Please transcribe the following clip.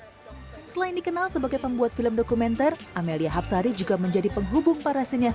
hai selain dikenal sebagai pembuat film dokumenter amelia hapsari juga menjadi penghubung para sinias